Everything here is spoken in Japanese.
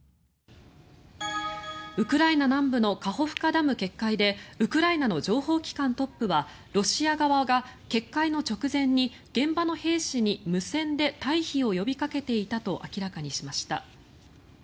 ウクライナ南部のカホフカダム決壊でウクライナの情報機関トップはロシア側が決壊の直前に現場の兵士に無線で退避を呼びかけていたと明らかにしました。